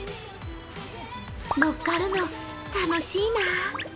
乗っかるの楽しいな。